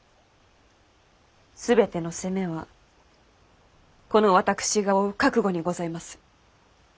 全ての責めはこの私が負う覚悟にございます。